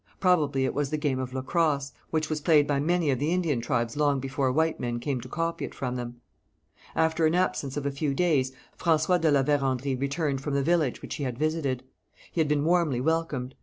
Probably it was the game of lacrosse, which was played by many of the Indian tribes long before white men came to copy it from them. After an absence of a few days, François de La Vérendrye returned from the village which he had visited. He had been warmly welcomed.